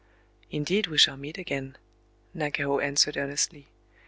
"Indeed we shall meet again," Nagao answered earnestly.